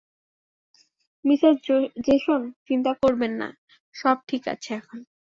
Mrs Jason, চিন্তা করবেন না, সব ঠিক আছে এখন।